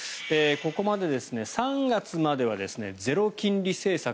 ここまで３月まではゼロ金利政策。